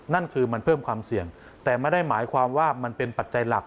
นั่นคือมันเพิ่มความเสี่ยงแต่ไม่ได้หมายความว่ามันเป็นปัจจัยหลัก